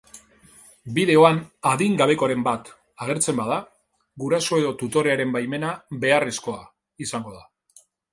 Bideoan adingabekoren bat agertzen bada, guraso edo tutorearen baimena beharrezkoa izango da.